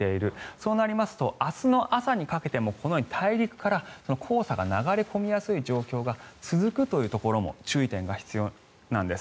そうなりますと明日の朝にかけてもこのように大陸から黄砂が流れ込みやすい状況が続くというところも注意が必要なんです。